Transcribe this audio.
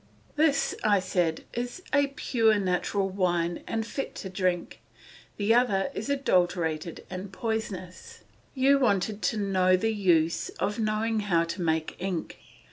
"This," said I, "is a pure natural wine and fit to drink; the other is adulterated and poisonous. You wanted to know the use of knowing how to make ink.